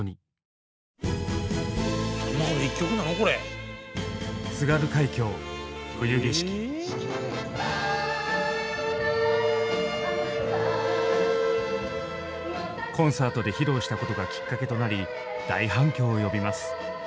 「さよならあなた」コンサートで披露したことがきっかけとなり大反響を呼びます。